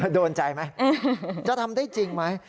โดนใจไหมจะทำได้จริงไหม